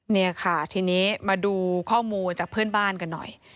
นี่ค่ะทีนี้มาดูข้อมูลจากเพื่อนบ้านกันหน่อย